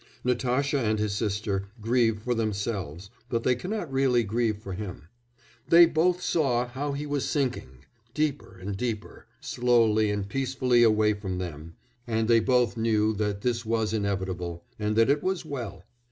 Natasha and his sister grieve for themselves, but they cannot really grieve for him. "They both saw how he was sinking, deeper and deeper, slowly and peacefully away from them, and they both knew that this was inevitable, and that it was well.